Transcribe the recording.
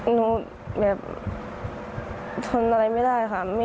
หนูแบบทนอะไรไม่ได้ค่ะ